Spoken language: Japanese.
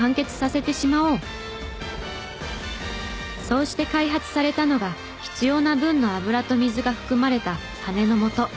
そうして開発されたのが必要な分の油と水が含まれた「羽根の素」。